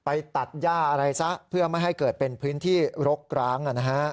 ตัดย่าอะไรซะเพื่อไม่ให้เกิดเป็นพื้นที่รกร้าง